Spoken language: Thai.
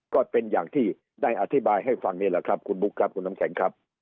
ก็เป็นอย่างที่ได้อธิบายให้ฟังนี่แหละครับคุณบุ๊คครับคุณน้ำแข็งครับ